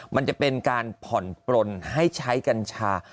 มันจะเป็นการผ่อนปลนให้ใช้กัญชา